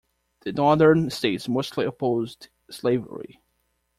The northern states mostly opposed slavery.